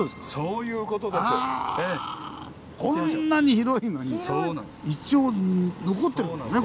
こんなに広いのに一応残ってるんですね